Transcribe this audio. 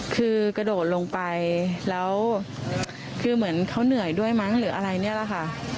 คือกระโดดลงไปแล้วคือเหมือนเขาเหนื่อยด้วยมั้งหรืออะไรเนี่ยแหละค่ะ